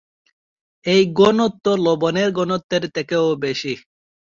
এই ঘনত্ব লবণের ঘনত্বের থেকে বেশি।